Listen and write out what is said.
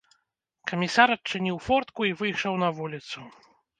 Камісар адчыніў фортку і выйшаў на вуліцу.